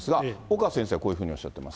岡先生はこういうふうにおっしゃっています。